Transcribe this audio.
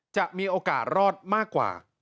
จะมีโอกาสรอดมากกว่า